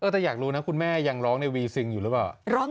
แต่อยากรู้นะคุณแม่ยังร้องในวีซิงอยู่หรือเปล่า